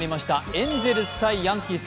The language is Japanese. エンゼルス×ヤンキース。